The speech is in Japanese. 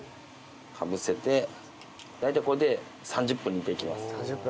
大体これで３０分煮ていきます。